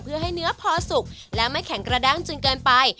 เพื่อให้เนื้อพอสุกและไม่แข็งกระดั้งจนเกินไป